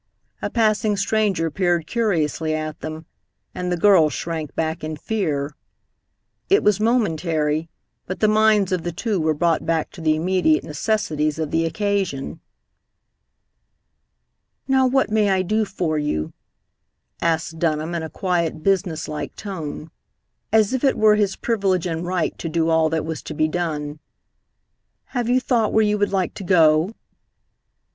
A passing stranger peered curiously at them, and the girl shrank back in fear. It was momentary, but the minds of the two were brought back to the immediate necessities of the occasion. "Now, what may I do for you?" asked Dunham in a quiet, business like tone, as if it were his privilege and right to do all that was to be done. "Have you thought where you would like to go?"